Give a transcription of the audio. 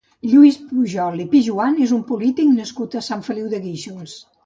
Lluís Pujol i Pijuan és un polític nascut a Sant Feliu de Guíxols.